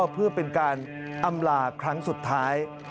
เพื่อเป็นการอำลาครั้งสุดท้าย